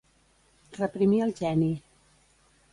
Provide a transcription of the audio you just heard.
Reprimir el geni.